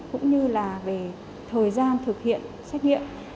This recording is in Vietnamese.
cũng như là về thời gian thực hiện xét nghiệm